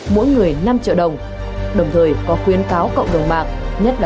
mỗi người năm triệu đồng đồng thời có khuyến cáo cộng đồng mạng